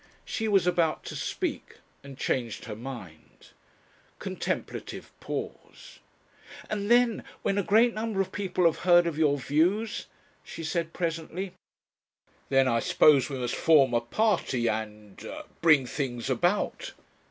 She was about to speak, and changed her mind. Contemplative pause. "And then, when a great number of people have heard of your views?" she said presently. "Then I suppose we must form a party and ... bring things about."